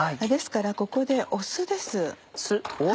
ですからここで酢です。